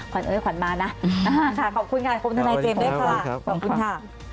ขวันเอ้ยขวันมานะขอบคุณค่ะความวันท้ายในเจมส์ด้วยค่ะ